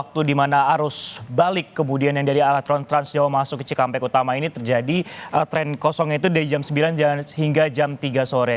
waktu di mana arus balik kemudian yang dari arah transjawa masuk ke cikampek utama ini terjadi tren kosongnya itu dari jam sembilan hingga jam tiga sore